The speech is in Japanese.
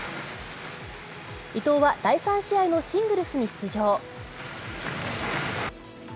伊藤は第３試合のシングルスに出場。